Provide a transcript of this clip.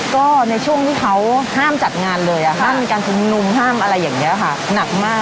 ก็ในช่วงที่เขาห้ามจัดงานเลยห้ามมีการชุมนุมห้ามอะไรอย่างนี้ค่ะหนักมาก